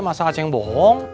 masa aceh yang bohong